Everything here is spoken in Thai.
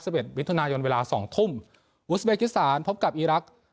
เอ็ดมิถุนายนเวลาสองทุ่มอุสเบกิสานพบกับอีรักษ์